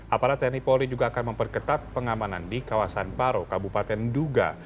aparat tni polri juga akan memperketat pengamanan di kawasan paro kabupaten duga